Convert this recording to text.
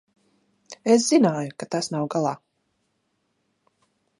Es zināju, ka tas nav galā.